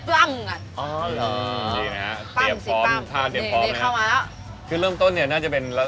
แล้วเค้าสู้อยู่ให้เป็น